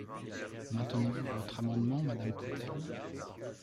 Maintenez-vous votre amendement, madame Coutelle?